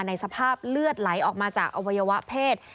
ในสภาพเลือดไหลออกมาจากอวัยวะเพศ